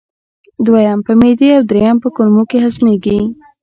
دویم په معدې او دریم په کولمو کې هضمېږي.